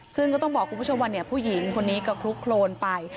ซึ่งก็ต้องบอกคุณผู้ชมว่าผู้หญิงคนนี้ก็คลุกโครนไป